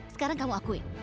sekarang kamu akui